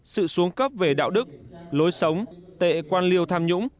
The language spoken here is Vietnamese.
sự xuống cấp về đạo đức lối sống tệ quan liêu tham nhũng